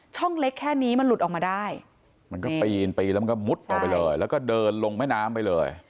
เล็กแค่นี้มันหลุดออกมาได้มันก็ปีนปีนแล้วมันก็มุดออกไปเลยแล้วก็เดินลงแม่น้ำไปเลย